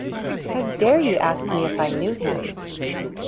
How dare you ask me if I knew him?